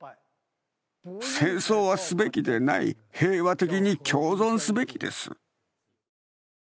戦争はすべきでない、平和的に共存すべきです。